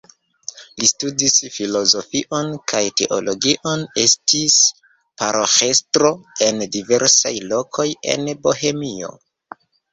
Li studis filozofion kaj teologion, estis paroĥestro en diversaj lokoj en Bohemio.